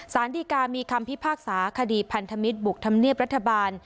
สารดีกามีคำพิพากษาคดีพันธมิตรบุกธรรมเนียบรัฐบาล